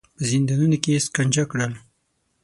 په زندانونو کې یې شکنجه کړل.